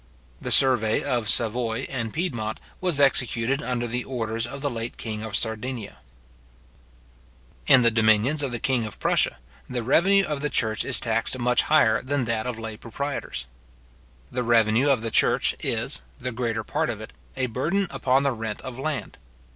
The survey of Savoy and Piedmont was executed under the orders of the late king of Sardinia. {Id. p. 280, etc.; also p, 287. etc. to 316.} In the dominions of the king of Prussia, the revenue of the church is taxed much higher than that of lay proprietors. The revenue of the church is, the greater part of it, a burden upon the rent of land.